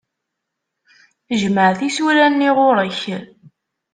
Jmeɛ tisura-nni ɣur-k.